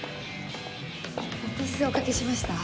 お手数おかけしました。